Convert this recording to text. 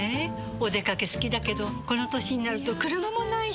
お出かけ好きだけどこの歳になると車もないし。